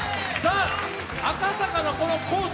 赤坂のこのコース